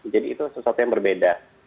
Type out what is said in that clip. itu sesuatu yang berbeda